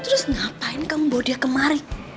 terus ngapain kamu bawa dia kemarin